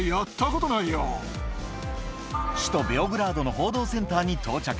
首都ベオグラードの報道センターに到着